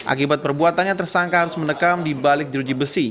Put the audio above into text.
akibat perbuatannya tersangka harus menekam di balik jeruji besi